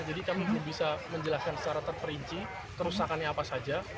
jadi kami belum bisa menjelaskan secara terperinci kerusakannya apa saja